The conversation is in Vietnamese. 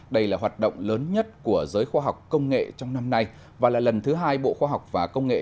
đây là hoạt động lớn nhất của giới khoa học công nghệ trong năm nay và là lần thứ hai bộ khoa học và công nghệ